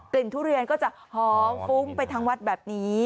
ทุเรียนก็จะหอมฟุ้งไปทั้งวัดแบบนี้